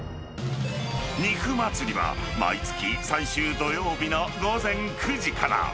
肉祭りは、毎月最終土曜日の午前９時から。